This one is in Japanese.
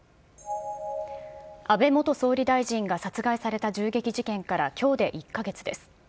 安倍元総理大臣が殺害された銃撃事件からきょうで１か月です。